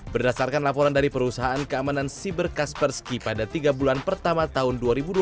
berdasarkan laporan dari perusahaan keamanan siber kaspersky pada tiga bulan pertama tahun dua ribu dua puluh